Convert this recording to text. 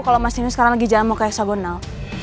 kalo mas nino sekarang lagi jalan mau ke hexagonal